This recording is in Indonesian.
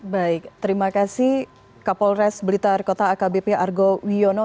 baik terima kasih kapolres blitar kota akbp argo wiono